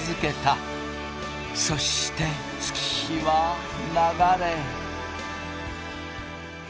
そして月日は流れ。